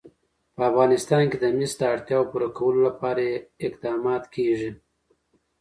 په افغانستان کې د مس د اړتیاوو پوره کولو لپاره اقدامات کېږي.